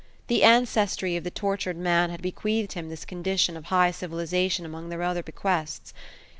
The ancestry of the tortured man had bequeathed him this condition of high civilization among their other bequests.